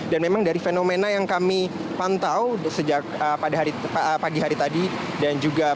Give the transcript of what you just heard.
dan memang dari fenomena yang kami pantau sejak pada pagi hari tadi dan juga pada